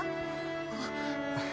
あっ。